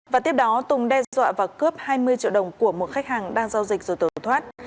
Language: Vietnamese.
và tiếp đó tùng đe dọa và cướp hai mươi triệu đồng của một khách hàng đang giao dịch rồi tổn thoát